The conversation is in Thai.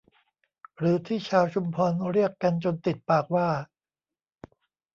หรือที่ชาวชุมพรเรียกกันจนติดปากว่า